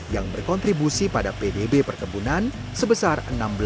yang berkontribusi pada pdb perkebunan sebesar enam belas